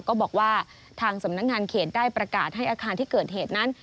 ก็บอกว่าทางสำนักงานเขตได้ประกาศให้อาคารที่เกิดเหตุนั้น